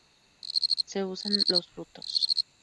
Se usan los frutos.